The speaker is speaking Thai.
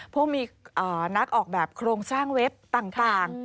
พวกมีนักออกแบบโครงสร้างเว็บต่าง